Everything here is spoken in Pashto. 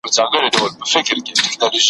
ماتول مي سرابونه هغه نه یم ,